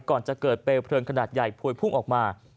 ก่อนจะเกิดเปลวเพลิงขนาดใหญ่พวยพุ่งออกมา